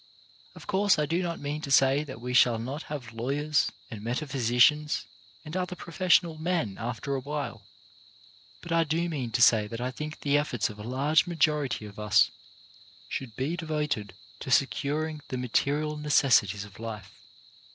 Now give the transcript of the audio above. Of course I do not mean to say that we shall not have lawyers and meta physicians and other professional men after a while, but I do mean to say that I think the efforts of a large majority of us should be de voted to securing the material necessities of life.